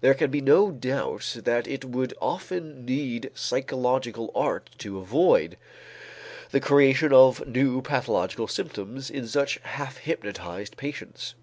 There can be no doubt that it would often need psychological art to avoid the creation of new pathological symptoms in such half hypnotized patients.